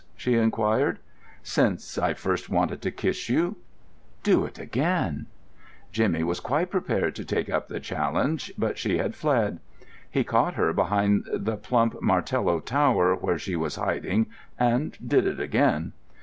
she inquired. "Since I first wanted to kiss you." "Do it again!" Jimmy was quite prepared to take up the challenge, but she had fled. He caught her behind the plump Martello Tower where she was hiding, and did it again.